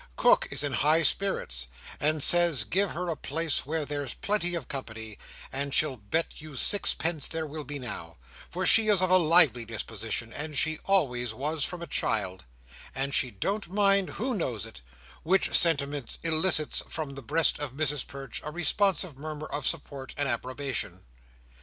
Cook is in high spirits, and says give her a place where there's plenty of company (as she'll bet you sixpence there will be now), for she is of a lively disposition, and she always was from a child, and she don't mind who knows it; which sentiment elicits from the breast of Mrs Perch a responsive murmur of support and approbation.